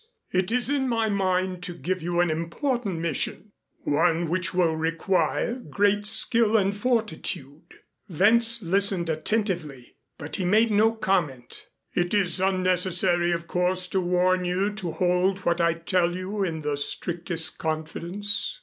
It is in my mind to give you an important mission one which will require great skill and fortitude." Wentz listened attentively, but he made no comment. "It is unnecessary of course to warn you to hold what I tell you in the strictest confidence."